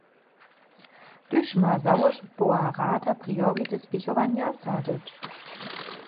Tuž ma załožbowa rada priority spěchowanja sadźeć.